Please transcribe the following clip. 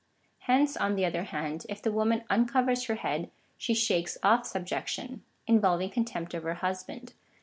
Hence, on the other hand, if the woman uncovers her head, she shakes off subjection — involving contempt of her husband.